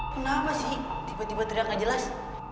kenapa sih tiba tiba teriak gak jelas